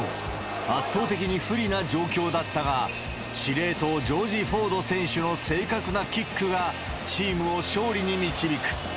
圧倒的に不利な状況だったが、司令塔、ジョージ・フォード選手の正確なキックがチームを勝利に導く。